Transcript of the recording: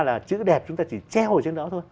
là chữ đẹp chúng ta chỉ treo ở trên đó thôi